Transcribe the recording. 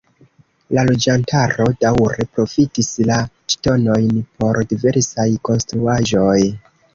La loĝantaro daŭre profitis la ŝtonojn por diversaj konstruaĵoj.